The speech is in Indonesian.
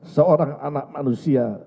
seorang anak manusia